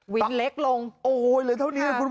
วินเล็กลง